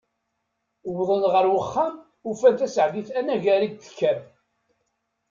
Wwḍen ɣer uxxam, ufan Taseɛdit anagar i d-tekker.